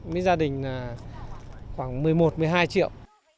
mấy gia đình là khoảng một mươi một một mươi hai triệu